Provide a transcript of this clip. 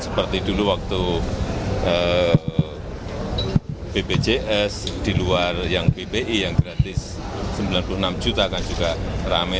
seperti dulu waktu bpjs di luar yang bpi yang gratis sembilan puluh enam juta kan juga rame